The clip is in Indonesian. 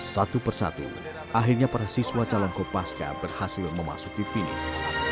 satu persatu akhirnya para siswa calon kopaska berhasil memasuki finish